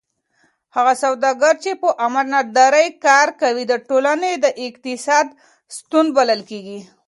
هغه سوداګر چې په امانتدارۍ کار کوي د ټولنې د اقتصاد ستون بلل کېږي.